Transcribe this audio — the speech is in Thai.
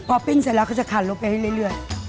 พอปิ้งเสร็จแล้วก็จะขาดลงไปเรื่อย